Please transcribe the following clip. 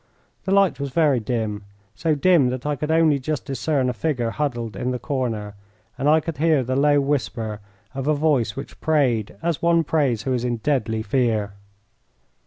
The light was very dim, so dim that I could only just discern a figure huddled in the corner, and I could hear the low whisper of a voice which prayed as one prays who is in deadly fear.